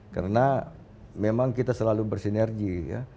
karena memang kita selalu bersinergi ya